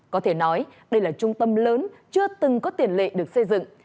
có thể nói đây là trung tâm lớn chưa từng có tiền lệ được xây dựng